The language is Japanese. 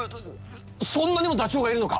そんなにもダチョウがいるのか？